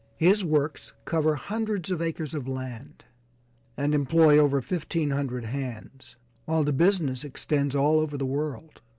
His works cover hundreds of acres of land, and employ over fifteen hundred hands, while the business extends all over the world.